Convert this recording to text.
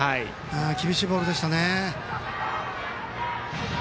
厳しいボールでしたね。